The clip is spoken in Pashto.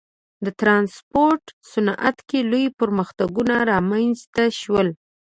د ټرانسپورت صنعت کې لوی پرمختګونه رامنځته شول.